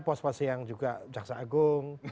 pos pos yang juga jaksa agung